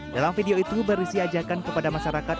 dalam video itu berisi ajakan kepada masyarakat